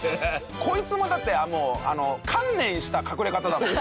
こいつもだってもう観念した隠れ方だもんね。